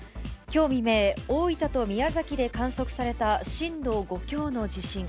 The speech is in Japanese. きょう未明、大分と宮崎で観測された震度５強の地震。